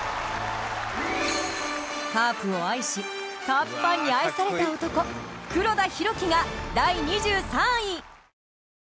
カープを愛しカープファンに愛された男黒田博樹が第２３位。